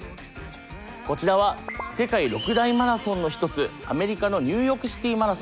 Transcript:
こちらは世界６大マラソンの一つアメリカのニューヨークシティーマラソン。